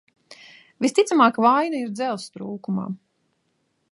Visticamāk, vaina ir dzelzs trūkumā.